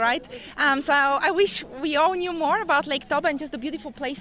jadi saya harap kita semua tahu lebih banyak tentang toba dan tempat tempat yang indah yang kita lihat hari ini